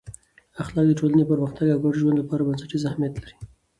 اخلاق د ټولنې د پرمختګ او ګډ ژوند لپاره بنسټیز اهمیت لري.